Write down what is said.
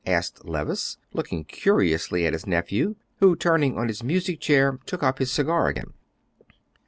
asked Levice, looking curiously at his nephew, who, turning on his music chair, took up his cigar again.